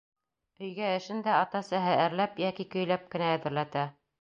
Өйгә эшен дә ата-әсәһе әрләп йәки көйләп кенә әҙерләтә.